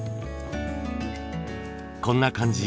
こんな感じ。